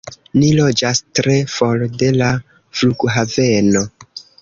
Ni loĝas tre for de la flughaveno